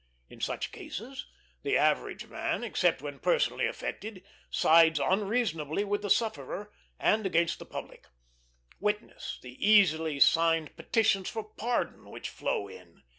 In such cases, the average man, except when personally affected, sides unreasonably with the sufferer and against the public; witness the easily signed petitions for pardon which flow in.